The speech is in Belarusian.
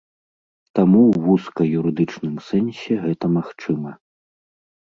Таму ў вузка юрыдычным сэнсе гэта магчыма.